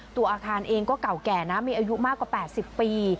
ตัวอาคารเองก็เก่าแก่นะมีอายุมากกว่า๘๐ปี